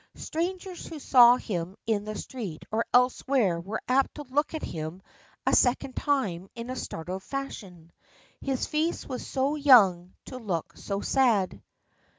Strangers who saw him in the street or elsewhere were apt to look at him a second time in a startled fashion. His face was so young to look so sad.